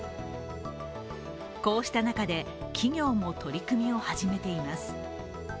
こうした中で企業も取り組みを始めています。